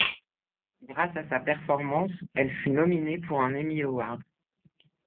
Grâce à sa performance, elle fut nominée pour un Emmy Award.